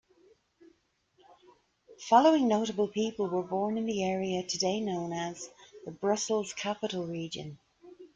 Following notable people were born in the area today known as the Brussels-Capital Region.